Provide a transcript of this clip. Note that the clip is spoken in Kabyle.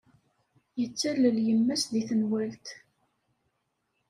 Yettalel yemma-s deg tenwalt.